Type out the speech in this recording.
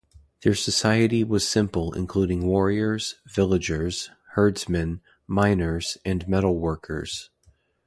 Their society was simple including warriors, villagers, herdsmen, miners, and metalworkers.